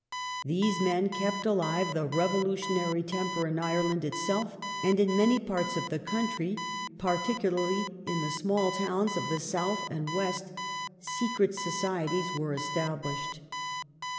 These men kept alive the revolutionary temper in Ireland itself, and in many parts of the country, pai'ticularly in the small towns of the South and West, secret societies were established.